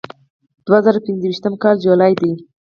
د دوه زره پنځه ویشتم کال جولای ده.